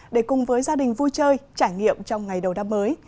để cùng với gia đình vui chơi trải nghiệm trong ngày đầu năm mới